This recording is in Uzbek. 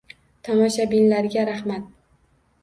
Tomoshabinlarga rahmat